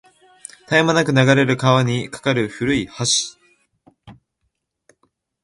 絶え間なく流れる川に架かる古い橋